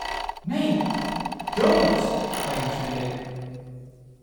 ‘Nay, don’t!’ I entreated.